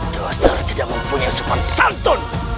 dasar tidak mempunyai supan santun